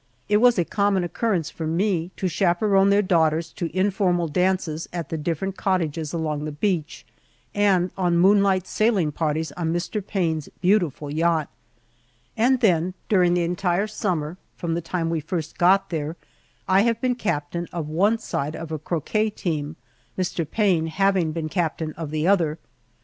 It was a common occurrence for me to chaperon their daughters to informal dances at the different cottages along the beach, and on moonlight sailing parties on Mr. Payne's beautiful yacht, and then, during the entire summer, from the time we first got there, I have been captain of one side of a croquet team, Mr. Payne having been captain of the other.